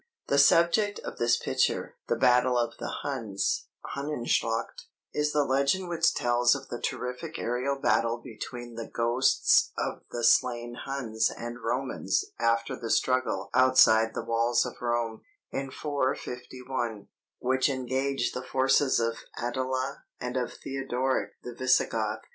The subject of this picture "The Battle of the Huns" (Hunnenschlacht), is the legend which tells of the terrific aërial battle between the ghosts of the slain Huns and Romans after the struggle outside the walls of Rome, in 451, which engaged the forces of Attila and of Theodoric the Visigoth.